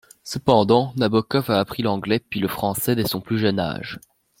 Cependant, Nabokov a appris l'anglais, puis le français dès son plus jeune âge.